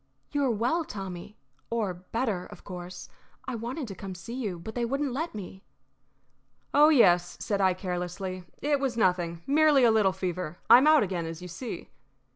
"You are well, Tommy or better, of course. I wanted to come to see you, but they wouldn't let me." "Oh yes," said I, carelessly, "it was nothing. Merely a little fever. I am out again, as you see."